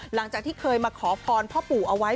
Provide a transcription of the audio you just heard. หลังจากที่เคยมาขอพรพ่อปู่เอาไว้